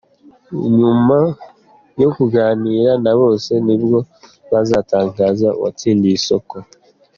Nyuma yo kuganira na bose nibwo tuzatangaza uwatsindiye isoko.